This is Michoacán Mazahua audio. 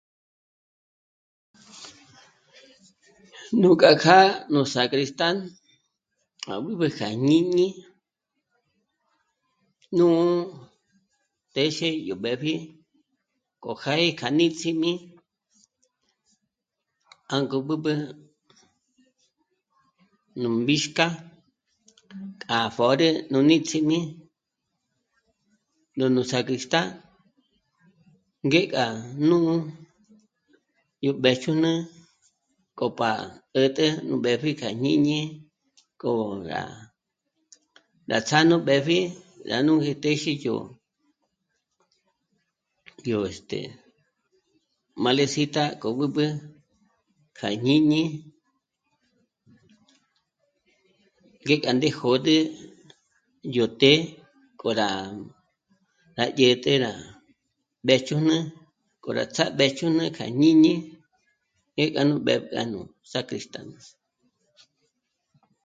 Nuk'a kjá nù sacristán a b'ǚb'ü kja jñíñi nú téxe yó b'épji k'o já'í k'a nítsjim'i jângo b'ǚb'ü nú mbíxka, k'a pjö̌rü nú nítsjim'i nújnu sacristán ngé k'a nú... yó mbéjch'ún'ü k'o p'a 'ä̀t'ä nú b'épji kja jñíñi k'o gá rá tsjá'a nú b'épji dyá nú gí téji yó, yó, este... Malesita k'o b'ǘb'ü kja jñíñi ngék'a ndé jö̌dü yó të́'ë k'o rá... rá dyä̀t'ä rá mbéjch'ún'ü k'o rá tsjá'a mbéjch'ún'ü kja jñíñi e gá nú b'ë̀pjga nú sacristán